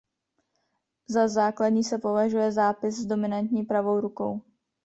Za základní se považuje zápis s dominantní pravou rukou.